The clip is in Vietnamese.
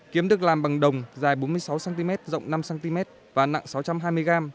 kiếm được làm bằng đồng dài bốn mươi sáu cm rộng năm cm và nặng sáu trăm hai mươi g